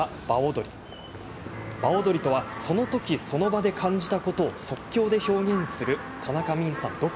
場踊りとは、そのときその場で感じたことを即興で表現する田中泯さん